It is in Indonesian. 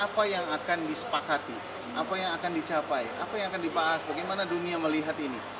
apa yang akan disepakati apa yang akan dicapai apa yang akan dibahas bagaimana dunia melihat ini